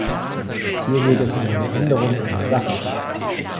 Hier geht es um eine Änderung in der Sache.